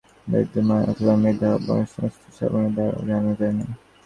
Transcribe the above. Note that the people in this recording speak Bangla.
এই আত্মাকে প্রবচন অর্থাৎ বেদাধ্যয়ন অথবা মেধা বা বহুশাস্ত্র-শ্রবণের দ্বারাও জানা যায় না।